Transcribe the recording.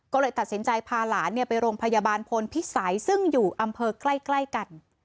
ก็เลยตัดสินใจพาหลานไปโรงพยาบาลพลพิสัยซึ่งอยู่อำเภอใกล้กัน